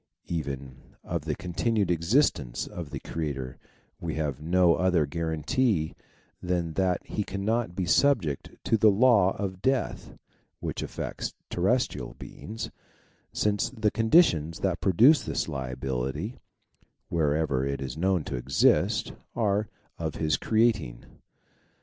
Even of the continued existence of the Creator we have no other guarantee than that he cannot be subject to the law of death which affects terrestrial beings, since the conditions that produce this liability wherever it is known to exist are of his creating.